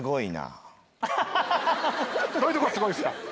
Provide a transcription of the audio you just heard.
どういうとこすごいですか？